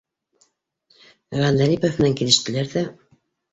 Ғәндәлипов менән килештеләр ҙә